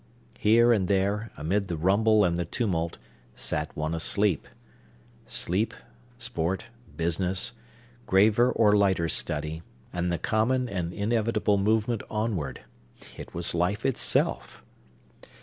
Here and there, amid the rumble and the tumult, sat one asleep. Sleep; sport; business; graver or lighter study; and the common and inevitable movement onward! It was life itself!